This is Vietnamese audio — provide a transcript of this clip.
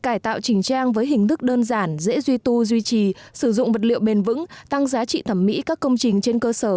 cải tạo chỉnh trang với hình thức đơn giản dễ duy tu duy trì sử dụng vật liệu bền vững tăng giá trị thẩm mỹ các công trình trên cơ sở